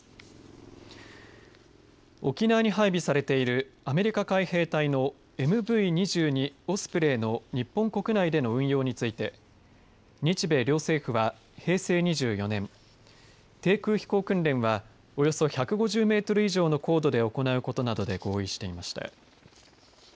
沖縄に配備されているアメリカ海兵隊のＭＶ２２オスプレイの日本国内での運用について日米両政府は平成２４年低空飛行訓練はおよそ１５０メートル以上の高度で行うことなどで合意していました。